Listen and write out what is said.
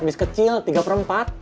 habis kecil tiga per empat